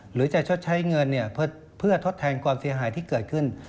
หรือจะชดใช้เงินเพื่อทดแทนความเสียหายที่เกิดขึ้น